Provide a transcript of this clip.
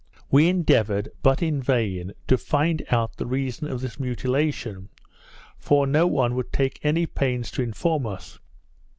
We endeavoured, but in vain, to find out the reason of this mutilation; for no one would take any pains to inform us.